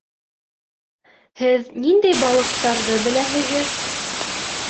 Һеҙ ниндәй балыҡтарҙы беләһегеҙ?